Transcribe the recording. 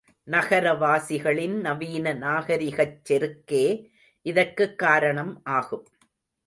நகர வாசிகளின் நவீன நாகரிகச் செருக்கே இதற்குக் காரணம் ஆகும்.